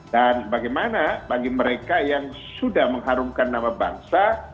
dan bagaimana bagi mereka yang sudah mengharumkan nama bangsa